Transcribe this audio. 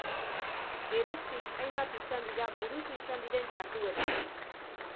Geroztik hainbat izan dira burutu izan diren jarduerak.